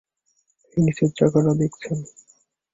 এই নীচের চাকাটা দেখছেন?